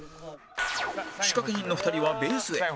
仕掛け人の２人はベースへ